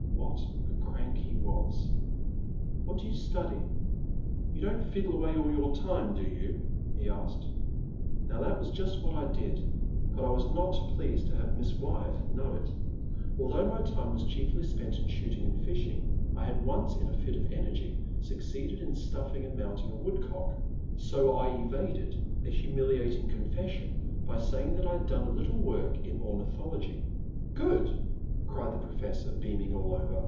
What a crank he was !What do you study ? You don't fiddle away all your time, do you ?" he asked. Now that was just what I did, but I was not pleased to have Miss Wyeth know it. Although my time was chiefly spent in shooting and fish ing, I had once, in a fit of energy, succeeded in stufiiug and mounting a woodcock, so I evaded a humiliating confession by saying that I had done a little work in ornithology. 364 The Man at the Next Table. "Good! cried the Professor, beaming all over.